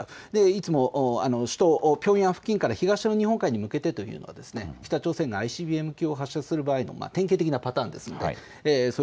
いつも首都ピョンヤン付近から東の日本海に向けてということで北朝鮮がＩＣＢＭを発射する場合の典型的なパターンです。